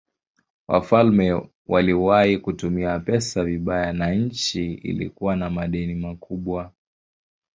Wafalme waliwahi kutumia pesa vibaya na nchi ilikuwa na madeni makubwa.